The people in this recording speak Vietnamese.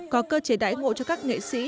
có cơ chế đải ngộ cho các nghệ sĩ